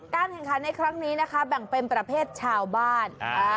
แข่งขันในครั้งนี้นะคะแบ่งเป็นประเภทชาวบ้าน